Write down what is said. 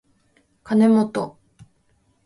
かねもと